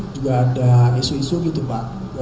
juga ada isu isu gitu pak